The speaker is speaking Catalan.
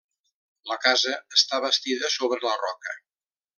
La casa està bastida sobre la roca.